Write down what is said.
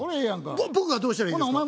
僕はどうしたらいいですか？